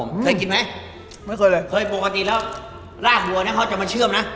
เคยกินไหมไม่เคยเลยเคยปกติแล้วรากบัวเนี่ยเขาจะมาเชื่อมนะ